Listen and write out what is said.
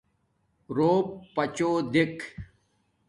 روپ پچوں دیکھ